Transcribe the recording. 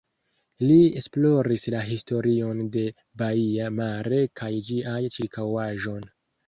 Li esploris la historion de baia Mare kaj ĝian ĉirkaŭaĵon.